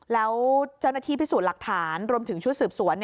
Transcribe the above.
แล้วเจ้าหน้าที่พิสูจน์หลักฐานรวมถึงชุดสืบสวน